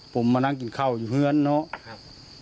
ผมมานั่งกินข้าวอยู่เฮือนเนอะครับ